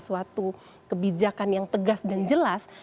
suatu kebijakan yang tegas dan jelas